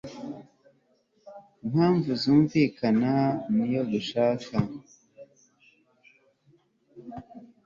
impamvu yumvikana niyo dushaka